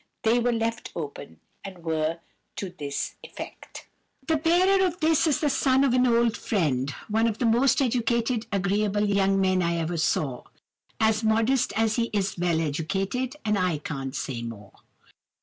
They were left open, and were to this effect:— "'... The bearer of this is the son of an old friend. One of the most agreeable young men I ever saw. As modest as he is well educated, and I can't say more.